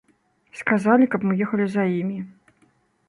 Сказалі, каб мы ехалі за імі.